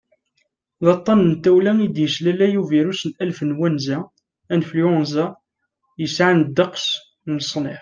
d aṭṭan n tawla i d-yeslalay ubirus n anflwanza influenza yesɛan ddeqs n leṣnaf